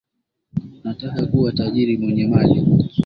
Nataka kuwa tajiri mwenye mali